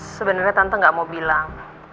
sebenarnya tante gak mau bilang